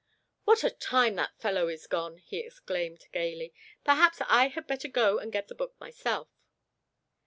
"What a time that fellow is gone!" he exclaimed gayly. "Perhaps I had better go and get the book myself."